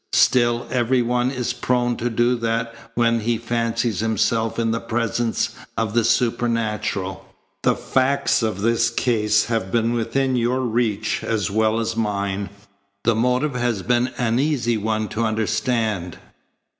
Still every one is prone to do that when he fancies himself in the presence of the supernatural. The facts of this case have been within your reach as well as mine. The motive has been an easy one to understand.